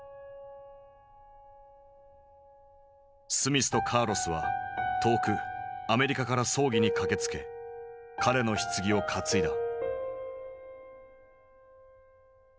スミスとカーロスは遠くアメリカから葬儀に駆けつけ彼のひつぎを担いだ。